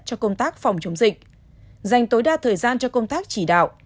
cho công tác phòng chống dịch dành tối đa thời gian cho công tác chỉ đạo